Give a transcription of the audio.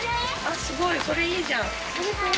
すごい、それいいじゃん。